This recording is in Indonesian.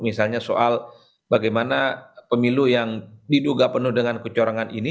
misalnya soal bagaimana pemilu yang diduga penuh dengan kecorangan ini